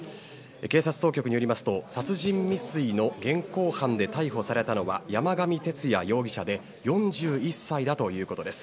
警察当局によりますと殺人未遂の現行犯で逮捕されたのは山上徹也容疑者で４１歳だということです。